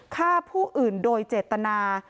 ฆ่าผู้อื่นโดยเจตนา